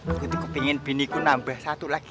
aku tuh pengen biniku nambah satu lagi